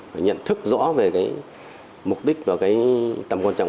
phải nhận thức rõ về mục đích và tầm quan trọng của sự nông thôn